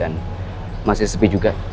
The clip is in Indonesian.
kamu sis rushing ke apleio